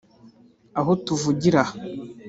Aho tuvugira aha